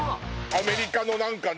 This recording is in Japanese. アメリカの何かね